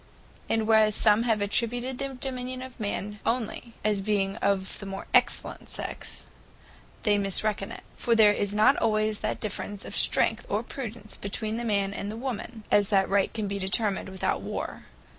And whereas some have attributed the Dominion to the Man onely, as being of the more excellent Sex; they misreckon in it. For there is not always that difference of strength or prudence between the man and the woman, as that the right can be determined without War.